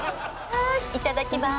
いただきます。